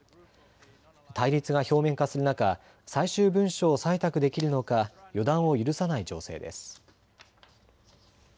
対立が表面化する中、最終文書を採択できるのか予断を許さない情勢です。